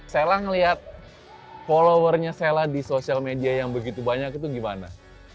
sela ngeliat followernya sela di sosial media yang begitu banyak itu gimana